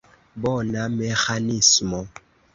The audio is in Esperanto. Bona meĥanismo!